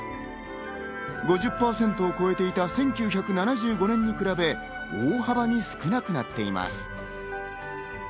５０％を超えていた１９７５年に比べ、大幅に少なくなっています。